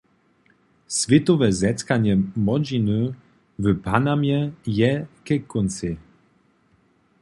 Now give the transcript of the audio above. Swětowe zetkanje młodźiny w Panamje je ke kóncej.